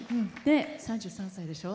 ３３歳でしょ？